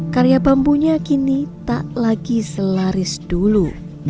karya bambunya kini tak lagi selaris dulu